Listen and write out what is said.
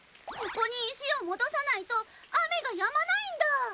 ここに石を戻さないと雨がやまないんだ！